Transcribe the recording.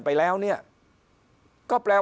พักพลังงาน